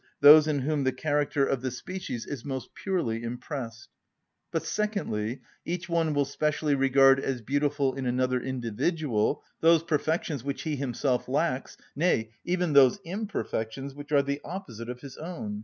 _, those in whom the character of the species is most purely impressed; but, secondly, each one will specially regard as beautiful in another individual those perfections which he himself lacks, nay, even those imperfections which are the opposite of his own.